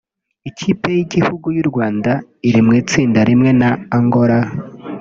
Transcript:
Ikipe y’igihugu y’u Rwanda iri mu itsinda rimwe na Angola